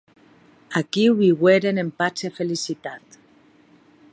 Aquiu viueren en patz e felicitat.